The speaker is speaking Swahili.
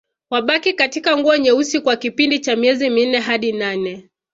Wabaki katika nguo nyeusi kwa kipindi cha miezi minne hadi nane